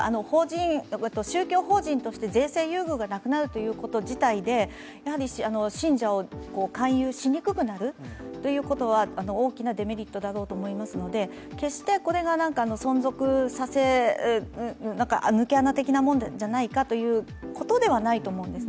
宗教法人として税制優遇がなくなるということ自体で信者を勧誘しにくくなるということは大きなデメリットだろうと思いますので決して、これが存続させる、抜け穴的なものじゃないかということではないと思います。